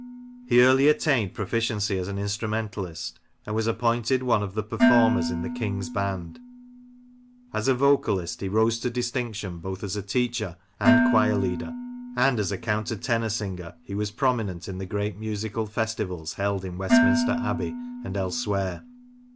He early attained proficiency as an instrumentalist, and was appointed one of the performers in the " King's Band." As a vocalist he rose to distinction both as a teacher and choir leader, and as a counter tenor singer he was prominent in the great musical festivals held in Westminster Abbey and elsewhere.